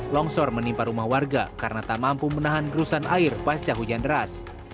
longsor menimpa rumah warga karena tak mampu menahan gerusan air pasca hujan deras